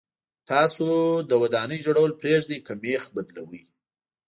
تاسو د ودانۍ جوړول پرېږدئ که مېخ بدلوئ.